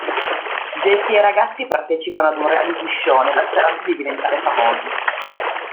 Jessie e i ragazzi partecipano ad un reality show nella speranza di diventare famosi.